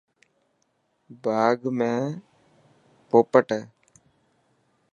باغ ۾ پوپٽ هي.